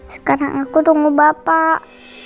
sekarang aku tunggu bapak